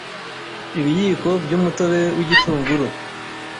ibiyiko by’umutobe w’igitunguru